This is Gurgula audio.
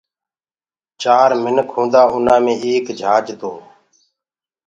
چآر منک هوندآ انآ مي ايڪ جھاج تو